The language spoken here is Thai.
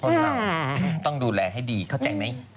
เราต้องดูแลให้ดีเข้าใจไหม